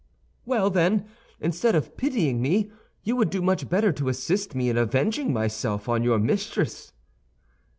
"Well, then, instead of pitying me, you would do much better to assist me in avenging myself on your mistress."